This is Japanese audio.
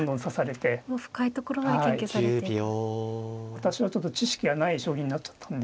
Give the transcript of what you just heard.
私はちょっと知識がない将棋になっちゃったんで。